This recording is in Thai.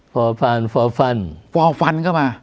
ป่อพราร